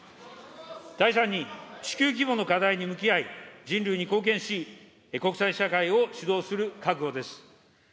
第３に、地球規模の課題に向き合い、人類に貢献し、国際社会を主導する覚悟です。